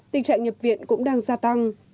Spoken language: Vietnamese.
tình trạng nhập viện cũng đang gia tăng